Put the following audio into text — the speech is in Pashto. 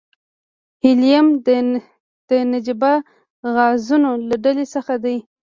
هیلیم د نجیبه غازونو له ډلې څخه دی.